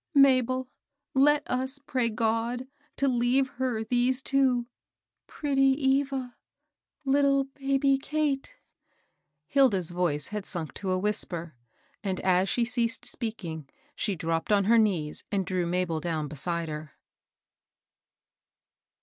Mabel, let us pray God to leave her these two, — pretty Eva ! Uttle baby Kate !" Hilda's voice had sunk to a whisper ; and, as she ceased speaking, she dropped on her knees and drew Mabel down beside her.